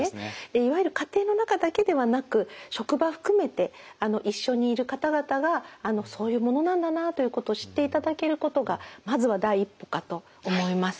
いわゆる家庭の中だけではなく職場含めて一緒にいる方々がそういうものなんだなということを知っていただけることがまずは第一歩かと思います。